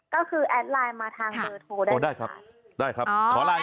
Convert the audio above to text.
ก็คือแอดไลน์มาทางเบอร์โทรได้ไหมคะ